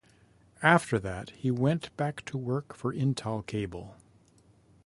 After that he went back to work for Italcable.